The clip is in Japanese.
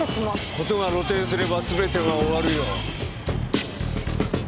事が露呈すればすべてが終わるよ。